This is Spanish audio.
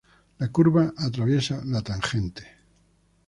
La curva "atraviesa" la tangente.